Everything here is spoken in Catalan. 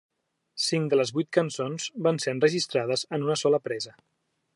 Cinc de les vuit cançons van ser enregistrades en una sola presa.